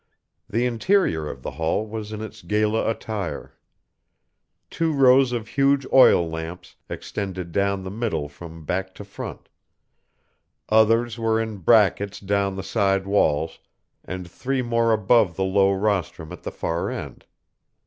The interior of the hall was in its gala attire. Two rows of huge oil lamps extended down the middle from back to front; others were in brackets down the side walls, and three more above the low rostrum at the far end.